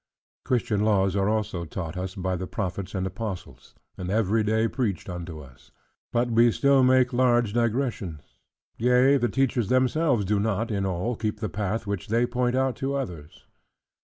Christian laws are also taught us by the prophets and apostles; and every day preached unto us. But we still make large digressions: yea, the teachers themselves do not (in all) keep the path which they point out to others.